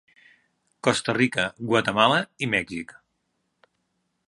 Costa Rica, Guatemala i Mèxic.